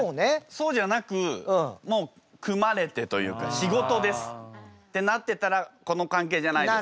そうじゃなくもう組まれてというか仕事ですってなってたらこの関係じゃないですか？